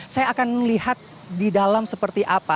saya akan melihat di dalam seperti apa